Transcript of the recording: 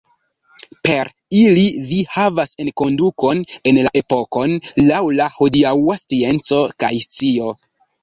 Per ili vi havas enkondukon en la epokon laŭ la hodiaŭa scienco kaj scio.